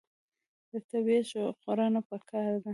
د طبیعت ژغورنه پکار ده.